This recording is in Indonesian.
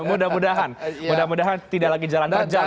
mudah mudahan tidak lagi jalan terus